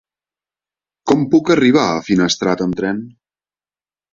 Com puc arribar a Finestrat amb tren?